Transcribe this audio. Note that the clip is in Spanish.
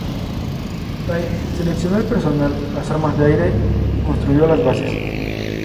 Tait seleccionó el personal, las armas de aire y construyó las bases.